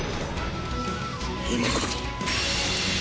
今こそ！！